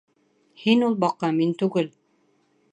Һин ул баҡа, мин түгел.